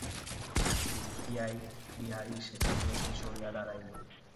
দেখিয়াই বিহারী সেখান হইতে সরিয়া দাঁড়াইল।